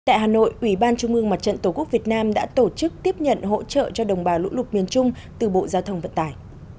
tại hà nội ủy ban trung mương mặt trận tổ quốc việt nam đã tổ chức tiếp nhận hỗ trợ cho đồng bào lũ lụt miền trung từ bộ giao thông vận tải